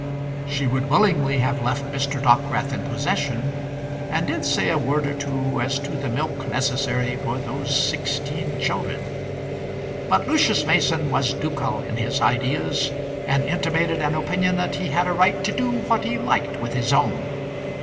She would willingly have left Mr. Dockwrath in possession, and did say a word or two as to the milk necessary for those sixteen children. But Lucius Mason was ducal in his ideas, and intimated an opinion that he had a right to do what he liked with his own.